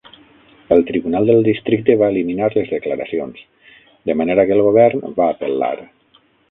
El tribunal del districte va eliminar les declaracions, de manera que el Govern va apel·lar.